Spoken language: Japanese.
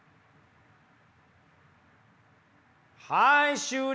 はい終了。